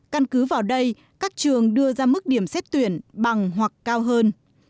căn cứ vào đây các trường đưa ra mức điểm xét tuyển bằng hoặc cao hơn